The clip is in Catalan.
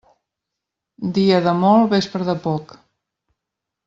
Dia de molt, vespra de poc.